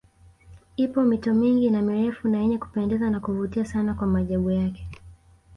Ipo mito mingi na mirefu na yenye kupendeza na kuvutia sana kwa maajabu yake